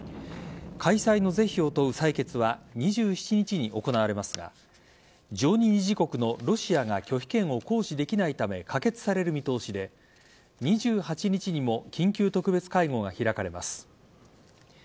開催の是非を問う採決は２７日に行われますが常任理事国のロシアが拒否権を行使できないため可決される見通しで２８日にも緊急特別会合が開かれます。